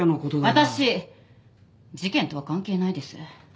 私事件とは関係ないです。